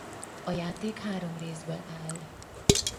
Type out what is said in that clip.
A játék három részből áll.